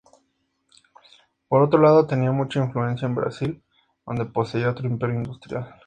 Por otro lado, tenía mucha influencia en Brasil, donde poseía otro imperio industrial.